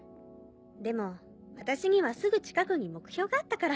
でも私にはすぐ近くに目標があったから。